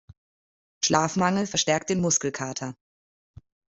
Schlafmangel verstärkt den Muskelkater.